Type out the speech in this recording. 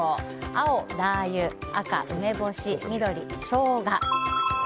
青、ラー油赤、梅干し緑、ショウガ。